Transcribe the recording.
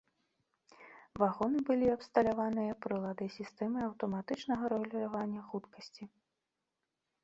Вагоны былі абсталяваныя прыладай сістэмы аўтаматычнага рэгулявання хуткасці.